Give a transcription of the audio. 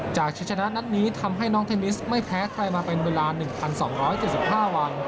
ชิดชนะนัดนี้ทำให้น้องเทนนิสไม่แพ้ใครมาเป็นเวลา๑๒๗๕วัน